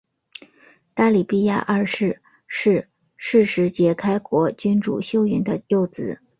答里必牙二世是是实皆开国君主修云的幼子。